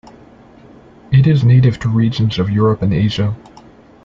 It is native to regions of Europe and Asia.